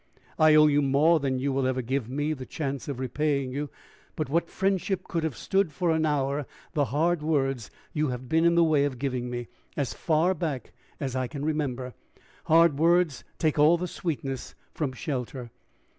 I owe you more than you will ever give me the chance of repaying you. But what friendship could have stood for an hour the hard words you have been in the way of giving me, as far back as I can remember! Hard words take all the sweetness from shelter.